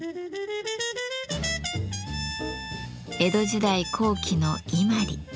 江戸時代後期の伊万里。